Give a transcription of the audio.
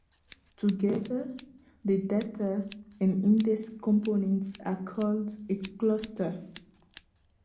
Together, the data and index components are called a cluster.